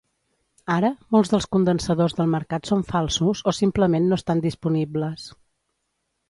Ara, molts dels condensadors del mercat són falsos o simplement no estan disponibles.